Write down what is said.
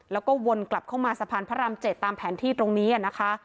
แล้วก็วนกลับเข้ามาสะพานพระราม๗ตามแผนที่ตรงนี้นะคะ